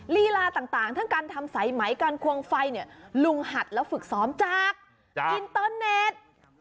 ลีลาต่างทั้งการทำสายไหมการควงไฟเนี่ยลุงหัดแล้วฝึกซ้อมจากอินเตอร์เน็ต